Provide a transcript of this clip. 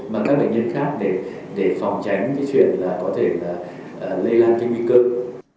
bằng các bệnh nhân khác để phòng tránh cái chuyện là có thể lây lan cái nguy cơ